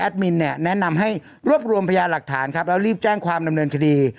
มินเนี่ยแนะนำให้รวบรวมพยานหลักฐานครับแล้วรีบแจ้งความดำเนินคดี